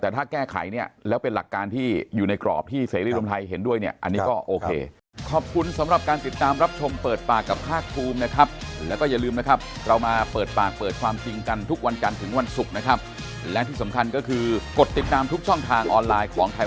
แต่ถ้าแก้ไขแล้วเป็นหลักการที่อยู่ในกรอบที่เสรีริรมไทยเห็นด้วย